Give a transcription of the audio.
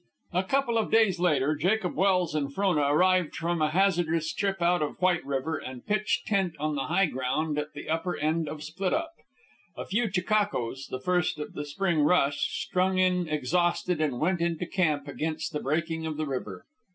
A couple of days later, Jacob Welse and Frona arrived from a hazardous trip out of White River, and pitched tent on the high ground at the upper end of Split up. A few chechaquos, the first of the spring rush, strung in exhausted and went into camp against the breaking of the river.